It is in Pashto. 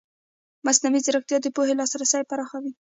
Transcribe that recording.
مصنوعي ځیرکتیا د پوهې لاسرسی پراخوي.